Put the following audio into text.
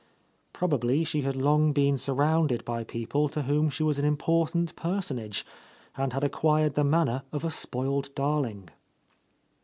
Probably she had long been surrounded by people to whom she was an important personage, and had ac quired the manner of a spoiled darling.